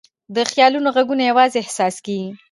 د خیالونو ږغونه یواځې احساس کېږي.